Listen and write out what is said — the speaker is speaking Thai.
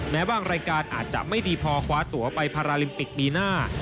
แม้บางรายการอาจจะไม่ดีพอคว้าตัวไปพาราลิมปิกปีหน้า